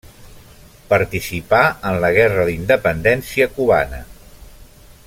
Participà en la Guerra d'Independència cubana.